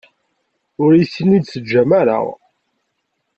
Ur iyi-ten-id-teǧǧam ara.